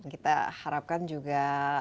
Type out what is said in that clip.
kita harapkan juga